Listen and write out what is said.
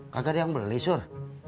kagak ada yang beli sur